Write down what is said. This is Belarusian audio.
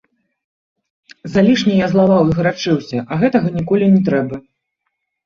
Залішне я злаваў і гарачыўся, а гэтага ніколі не трэба.